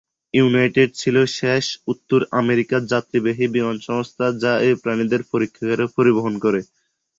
United ছিল শেষ উত্তর আমেরিকার যাত্রীবাহী বিমান সংস্থা যা এই প্রাণীদের পরীক্ষাগারে পরিবহন করে।